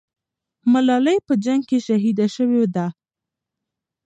ملالۍ په جنگ کې شهیده سوې ده.